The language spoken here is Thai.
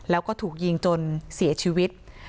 แล้วก็ถูกยิงจนเสียชีวิต